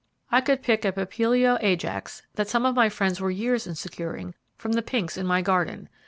I could pick a Papilio Ajax, that some of my friends were years in securing, from the pinks in my garden.